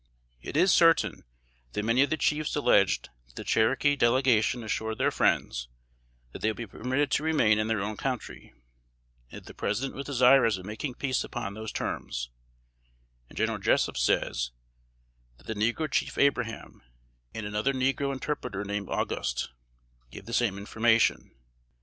It is certain, that many of the chiefs alleged that the Cherokee Delegation assured their friends, that they would be permitted to remain in their own country, and that the President was desirous of making peace upon those terms; and General Jessup says, that the negro chief Abraham, and another negro interpreter named Auguste, gave the same information.